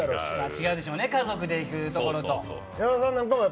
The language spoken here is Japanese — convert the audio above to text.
違うでしょうね、家族で行くところと。